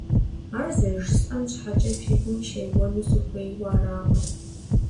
Ар зэрыжысӀэм щхьэкӀэ фи гум сеуэну сыхуейуэ аракъым…